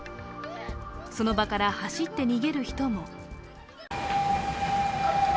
その場から走って逃げる人も。